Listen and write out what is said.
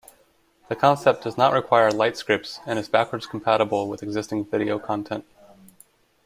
The concept does not require light-scripts, and is backwards compatible with existing video content.